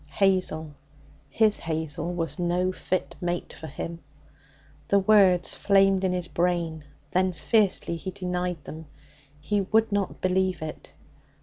Hazel, his Hazel, was no fit mate for him. The words flamed in his brain; then fiercely, he denied them. He would not believe it.